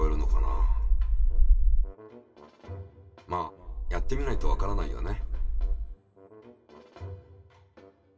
まあやってみないとわからないよね。